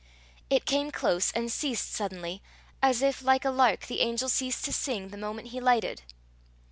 It came close, and ceased suddenly, as if, like a lark, the angel ceased to sing the moment he lighted.